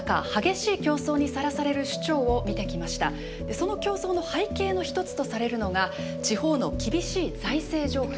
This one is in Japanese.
その競争の背景の一つとされるのが地方の厳しい財政状況です。